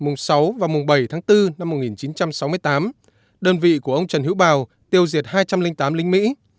mùng sáu và mùng bảy tháng bốn năm một nghìn chín trăm sáu mươi tám đơn vị của ông trần hữu bào tiêu diệt hai trăm linh tám lính mỹ